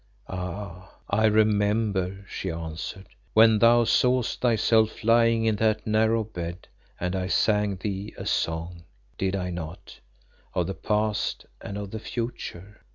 "Ah! I remember," she answered, "when thou sawest thyself lying in that narrow bed, and I sang thee a song, did I not, of the past and of the future?